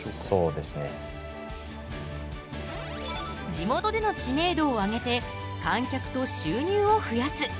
地元での知名度をあげて観客と収入を増やす。